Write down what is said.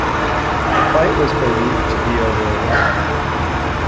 The fight was believed to be over a woman.